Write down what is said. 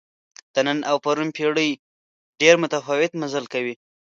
د نن او پرون پېړۍ ډېر متفاوت مزل کوي.